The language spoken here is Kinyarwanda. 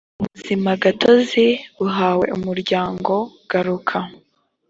ubuzimagatozi buhawe umuryango garuka